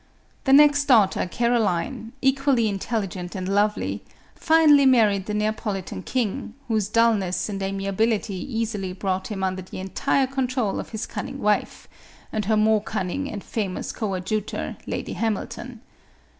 The next daughter, Caroline, equally intelligent and lovely, finally married the Nea politan king, whose dulness and amiability easily brought him under the entire control of his cunning wife, and her more cunning and famous coadjutor, Lady Hamilton.